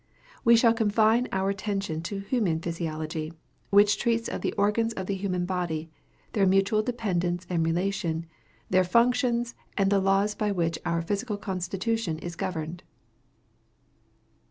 We shall confine our attention to Human Physiology, which treats of the organs of the human body, their mutual dependence and relation, their functions, and the laws by which our physical constitution is governed.